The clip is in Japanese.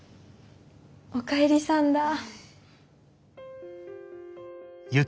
おかえりさんだ。